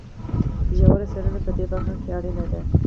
ژوره څېړنه په دې برخه کې اړینه ده.